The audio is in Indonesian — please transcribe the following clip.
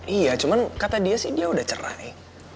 iya cuma kata dia sih dia udah cerai